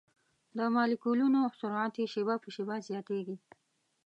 د مالیکولونو سرعت یې شېبه په شېبه زیاتیږي.